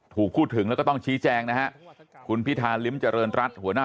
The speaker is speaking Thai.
ถูกพูดถึงแล้วก็ต้องชี้แจงนะฮะคุณพิธาริมเจริญรัฐหัวหน้า